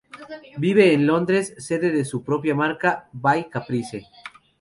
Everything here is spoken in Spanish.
Vive en Londres, sede de su propia marca, "By Caprice".